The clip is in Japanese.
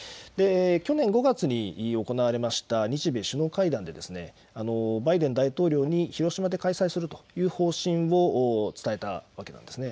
去年５月に行われました日米首脳会談でバイデン大統領に広島で開催するという方針を伝えたわけなんですね。